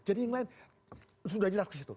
jadi yang lain sudah dirakses itu